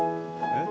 えっ？